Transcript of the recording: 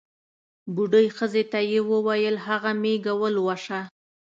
بوډۍ ښځې ته یې ووېل هغه مېږه ولوسه.